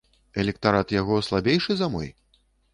Электарат яго слабейшы за мой?